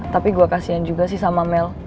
tapi gue kasian juga sih sama mel